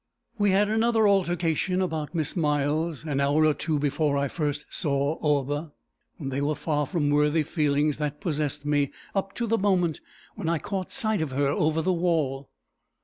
"We had another altercation about Miss Miles, an hour or two before I first saw Orba. They were far from worthy feelings that possessed me up to the moment when I caught sight of her over the wall.